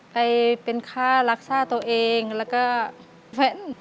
ไปเป็นค่ารักษาตัวเองแล้วก็แฟน